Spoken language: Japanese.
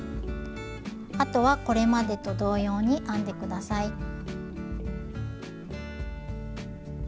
あとはこれまでと同様に編んで下さい。